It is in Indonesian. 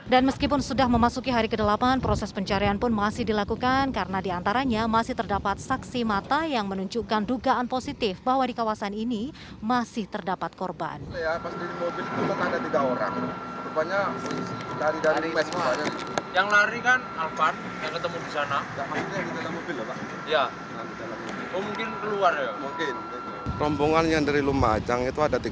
dan meskipun sudah memasuki hari ke delapan proses pencarian pun masih dilakukan karena diantaranya masih terdapat saksi mata yang menunjukkan dugaan positif bahwa di kawasan ini masih terdapat korban